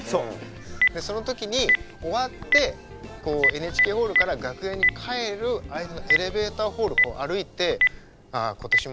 その時に終わってＮＨＫホールから楽屋に帰る間のエレベーターホール歩いて「ああ今年ももう終わった。